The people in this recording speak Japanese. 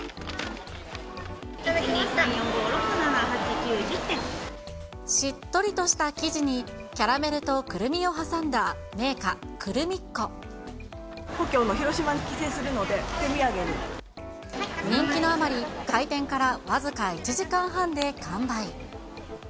１、２、３、４、５、６、しっとりとした生地に、キャラメルとクルミを挟んだ銘菓、故郷の広島に帰省するので、人気のあまり、開店から僅か１時間半で完売。